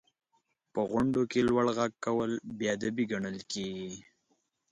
• په غونډو کې لوړ ږغ کول بې ادبي ګڼل کېږي.